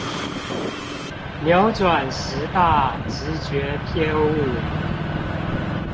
扭轉十大直覺偏誤